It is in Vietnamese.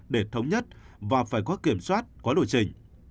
để thống nhất và phải có kiểm soát có đổi trình